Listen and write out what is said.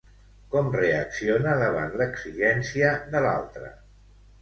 Com reacciona davant l'exigència de l'altre?